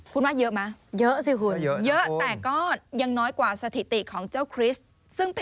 คุณว่าเยอะไหม